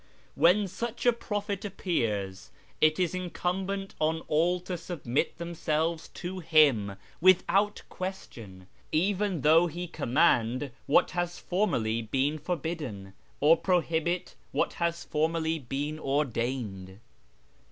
When such a prophet appears, it is incumbent on all to submit themselves to him ^ See pp. 274 5 supra. M sh/rAz J03 without question, even though he command what has formerly been forbidden, or prohibit what has formerly been ordained."